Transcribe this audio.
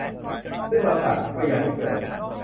ซึ่งเราต่างก็ยังไม่เกิด